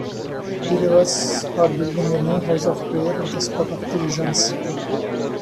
Believers are building a new "House of Prayer" at the spot of the visions.